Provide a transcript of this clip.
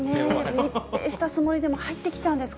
密閉したつもりでも入って来ちゃうんですか。